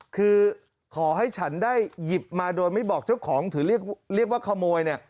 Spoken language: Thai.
คือขอให้ฉันได้หยิบมาโดยไม่บอกเจ้าของถือเรียกว่าขโมยเนี่ย